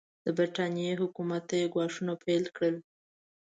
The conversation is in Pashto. د برټانیې حکومت ته یې ګواښونه پیل کړل.